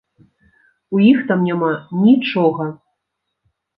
У іх там няма нічога.